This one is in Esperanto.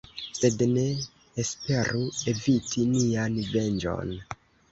Sed ne esperu eviti nian venĝon.